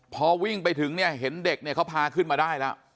พอวิ่งไปถึงเนี่ยเห็นเด็กเนี่ยเขาพาขึ้นมาได้แล้ว